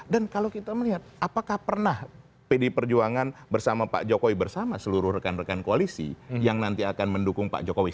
dan kalau kita melihat apakah pernah pdi perjuangan bersama pak jokowi bersama seluruh rekan rekan koalisi yang nanti akan mendukung pak jokowi